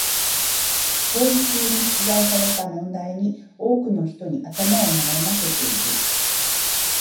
講義中に出題された問題に多くの人に頭を悩ませている。